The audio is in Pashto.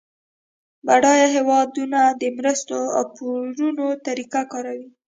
بډایه هیوادونه د مرستو او پورونو طریقه کاروي